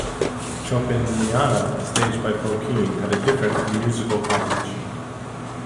"Chopiniana", staged by Fokine, had a different musical composition.